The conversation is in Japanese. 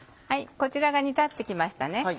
はいこちらが煮立って来ましたね。